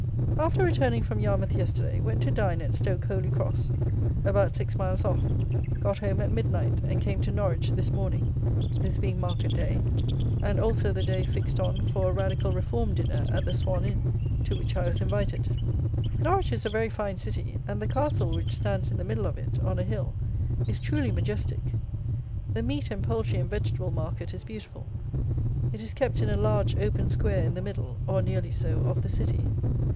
_ After returning from Yarmouth yesterday, went to dine at Stoke Holy Cross, about six miles off; got home at mid night, and came to Norwich this morning, this being market day, and also the day fixed on for a Radical Reform Dinner at the Swan Inn, to which I was invited. Norwich is a very fine city, and the Castle, which stands in the middle of it, on a hill, is truly majestic. The meat and poultry and vegetable market is beautiful. It is kept in a large open square in the middle, or nearly so, of the City.